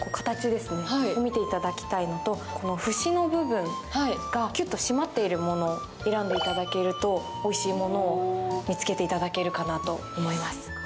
形を見ていただききたいのとこの節の部分がキュッと締まっているものを選んでいただけるとおいしいものを見つけていただけるかなと思います。